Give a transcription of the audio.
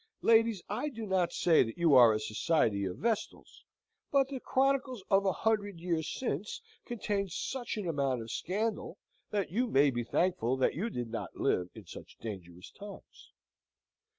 Ladies, I do not say that you are a society of Vestals but the chronicle of a hundred years since contains such an amount of scandal, that you may be thankful you did not live in such dangerous times.